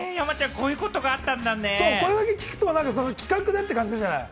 こういうふうに聞くと企画でって感じがするじゃない？